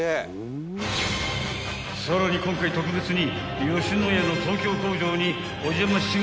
［さらに今回特別に］